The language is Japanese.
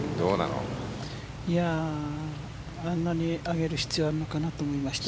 あんなに上げる必要あるのかなと思いました。